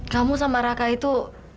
kamu sama raka itu